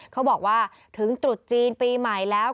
เขาบอกว่าถึงตรุษจีนปีใหม่แล้ว